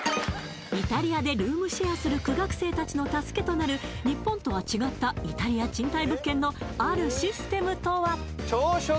イタリアでルームシェアする苦学生たちの助けとなる日本とは違ったイタリア賃貸物件のあるシステムとは？